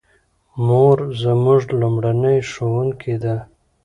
مور زموږ لومړنۍ ښوونکې ده